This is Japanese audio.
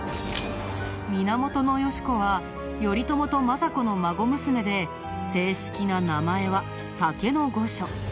源よし子は頼朝と政子の孫娘で正式な名前は竹御所。